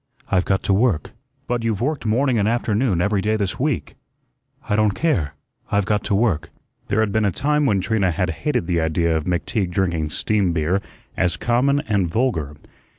"I've got to work." "But you've worked morning and afternoon every day this week." "I don't care, I've got to work." There had been a time when Trina had hated the idea of McTeague drinking steam beer as common and vulgar.